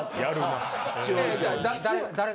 誰。